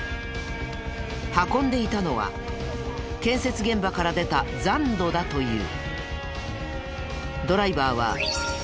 運んでいたのは建設現場から出た残土だという。